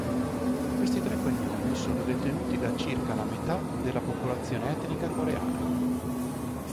Questi tre cognomi sono detenuti da circa la metà della popolazione etnica coreana.